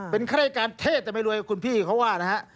เป็นข้ารายการเทศแต่ไม่รวยคุณพี่เขาว่านะฮะ